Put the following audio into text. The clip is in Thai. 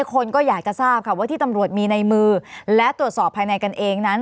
คนก็อยากจะทราบค่ะว่าที่ตำรวจมีในมือและตรวจสอบภายในกันเองนั้น